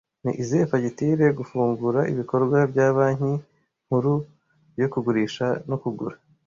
Ni izihe fagitire Gufungura ibikorwa bya banki nkuru yo kugurisha no kugura